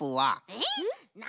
えっ？